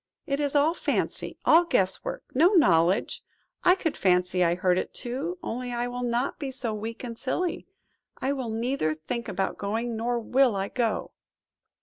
It is all fancy, all guess work; no knowledge! I could fancy I heard it too, only I will not be so weak and silly; I will neither think about going, nor will I go."